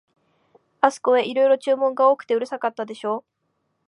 あすこへ、いろいろ注文が多くてうるさかったでしょう、